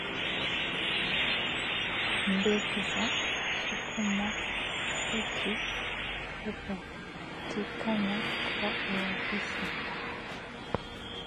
Mbegu za sukuma wiki hupatikana kwa urahisi